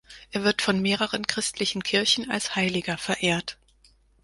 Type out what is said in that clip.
Er wird von mehreren christlichen Kirchen als Heiliger verehrt.